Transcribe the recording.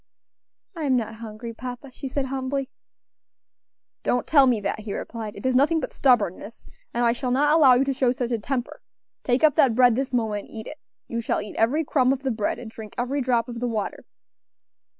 "I am not hungry, papa," she said humbly. "Don't tell me that," he replied, "it is nothing but stubbornness; and I shall not allow you to show such a temper. Take up that bread this moment and eat it. You shall eat every crumb of the bread and drink every drop of the water."